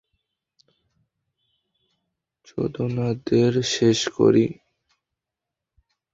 চোদনাদের শেষ করি!